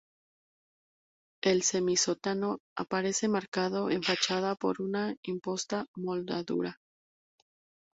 El semisótano aparece marcado en fachada por una imposta moldurada.